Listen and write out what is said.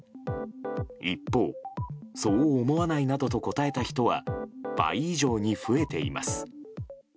一方、そう思わないなどと答えた人は倍以上に増えています。